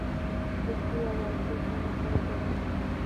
• د شپې یواځیتوب ځینې خلک ژړوي.